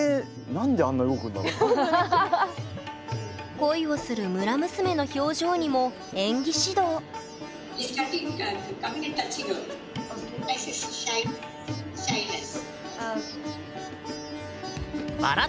恋をする村娘の表情にも演技指導バラタ